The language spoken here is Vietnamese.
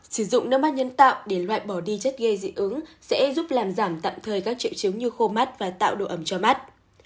sử dụng nâm mát nhân tạo để loại bỏ đi chất gây dị ứng sẽ giúp làm giảm tạm thời các triệu chứng như khô mắt và tạo độ ẩm cho mắt